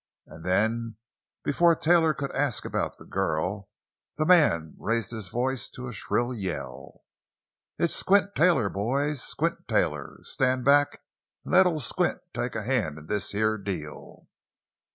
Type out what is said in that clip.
And then, before Taylor could ask about the girl, the man raised his voice to a shrill yell: "It's Squint Taylor, boys! Squint Taylor! Stand back an' let ol' Squint take a hand in this here deal!"